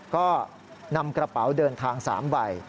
ก็นำกระเป๋าเดินทาง๓ใบ